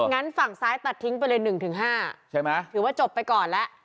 งั้นฝั่งซ้ายตัดทิ้งไปเลย๑๕ใช่ไหมถือว่าจบไปก่อนแล้ว